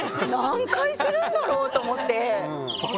何回するんだろうと思って。